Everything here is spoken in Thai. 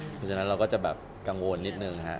เพราะฉะนั้นเราก็จะแบบกังวลนิดนึงฮะ